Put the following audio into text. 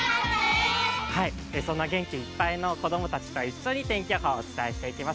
そんな元気いっぱいの子供たちと一緒に天気予報をお伝えし測定行きます。